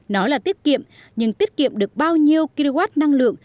nói là tiết kiệm nhưng tiết kiệm được bao nhiêu kwh năng lượng